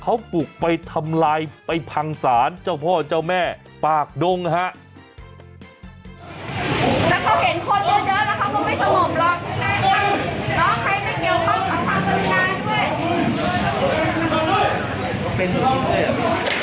เขาปลุกไปทำลายไปพังศาลเจ้าพ่อเจ้าแม่ปากดงฮะ